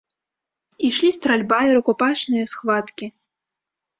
Ішлі стральба і рукапашныя схваткі.